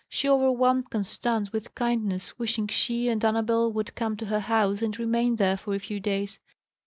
She overwhelmed Constance with kindness, wishing she and Annabel would come to her house and remain there for a few days.